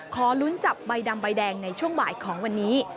ขอลุ้นจับใบดำใบแดงในช่วงบ่ายของวันนี้